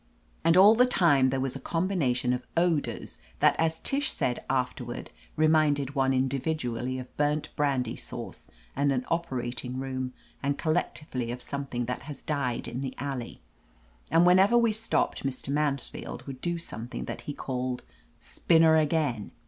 And all the time there was a combination of odors that as Tish said afterward reminded one in dividually of burnt brandy sauce and an operat ing room, and collectively of something that has died in the alley. And whenever we stopped Mr. Mansfield would do something that he called "spinner again."